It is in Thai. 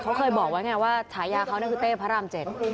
เขาเคยบอกไว้ไงว่าฉายาเขาคือเต้พระรามเจ็ด